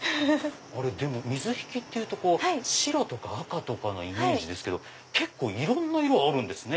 でも水引って白とか赤とかのイメージですけど結構いろんな色あるんですね。